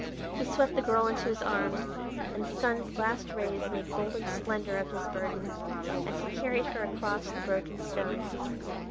He swept the girl into his arms, and the sun's last rays made golden splendor of his burden as he carried her across the broken stones.